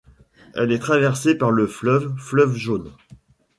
Elle est traversée par le fleuve fleuve Jaune.